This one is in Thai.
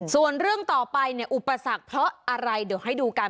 ส่วนเรื่องต่อไปเนี่ยอุปสรรคเพราะอะไรเดี๋ยวให้ดูกัน